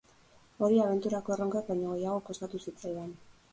Hori abenturako erronkak baino gehiago kostatu zitzaidan.